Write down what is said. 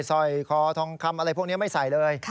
สร้อยคอทองคำอะไรพวกนี้ไม่ใส่เลย